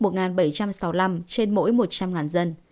trên mỗi một trăm linh dân